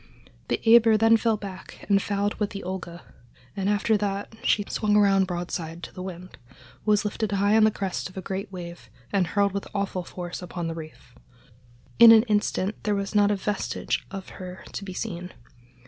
The Eber then fell back and fouled with the Olga, and after that she swung around broadside to the wind, was lifted high on the crest of a great wave and hurled with awful force upon the reef. In an instant there was not a vestige of her to be seen.